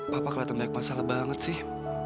papa kelihatan dari masalah banget sih